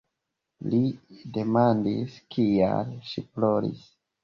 Li demandis, kial ŝi ploris.